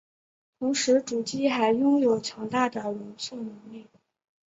同时主机还拥有强大的容错能力。